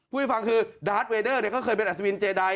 พูดให้ฟังคือดาร์ทเวดเดอร์เค้าเคยเป็นอัสวินเจดัย